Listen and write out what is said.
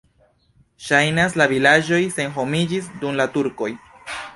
Ŝajnas, la vilaĝoj senhomiĝis dum la turkoj.